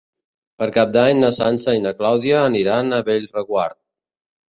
Per Cap d'Any na Sança i na Clàudia aniran a Bellreguard.